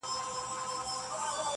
په منډه ولاړه ویل ابتر یې.!